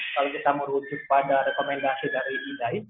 kalau kita menurut pada rekomendasi dari idaid